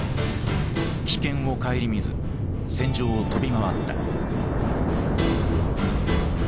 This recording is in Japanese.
危険を顧みず戦場を飛び回った。